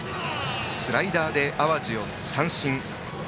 スライダーで淡路を三振。